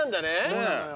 そうなのよ。